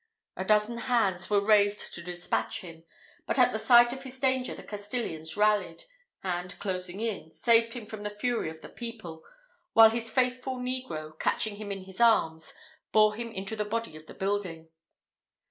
A dozen hands were raised to despatch him; but at the sight of his danger the Castilians rallied, and closing in, saved him from the fury of the people; while his faithful negro, catching him in his arms, bore him into the body of the building.